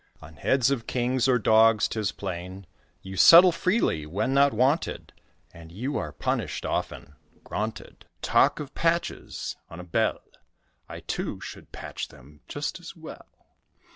On heads of kings or dogs, 'tis plain, You settle freely when not wanted, And you are punished often granted. You talk of patches on a belle, I, too, should patch them just as well.